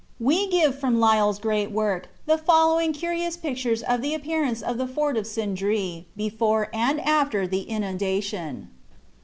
We give from Lyell's great work the following curious pictures of the appearance of the Fort of Sindree before and after the inundation.